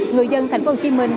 người dân thành phố hồ chí minh